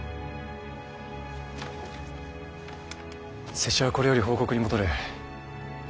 拙者はこれより報告に戻る。